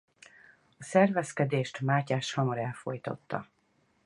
A szervezkedést Mátyás hamar elfojtotta.